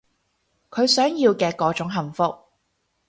佢想要嘅嗰種幸福